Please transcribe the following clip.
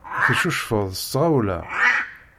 Teccucfeḍ s tɣawla.